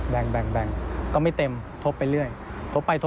แต่ได้วิวิวุธไว้